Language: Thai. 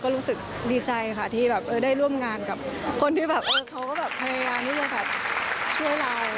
รู้สึกดีใจค่ะที่แบบได้ร่วมงานกับคนที่แบบเขาก็แบบพยายามที่จะแบบช่วยเรา